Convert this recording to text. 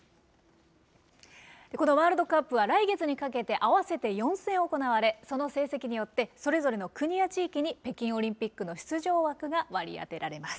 このワールドカップは、来月にかけて、合わせて４戦行われ、その成績によって、それぞれの国や地域に北京オリンピックの出場枠が割り当てられます。